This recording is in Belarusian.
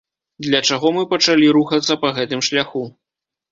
Для чаго мы пачалі рухацца па гэтым шляху?